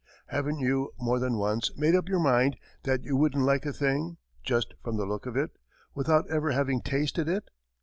Haven't you, more than once, made up your mind that you wouldn't like a thing, just from the look of it, without ever having tasted it?